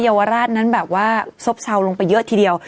ยาวราชนั้นแบบว่าซบเซาลงไปเยอะทีเดียว